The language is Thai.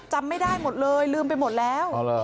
จำไม่ได้หมดเลยลืมไปหมดแล้ว